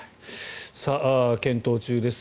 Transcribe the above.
検討中です。